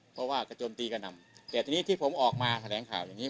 เพราะว่ากระจมตีกระนำแต่ทีนี้ที่ผมออกมาแถลงข่าวอย่างนี้